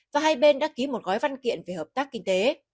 và hai bên đã ký một gói văn kiện về hợp tác kinh tế